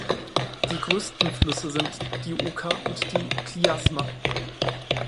Die größten Flüsse sind die Oka und die Kljasma.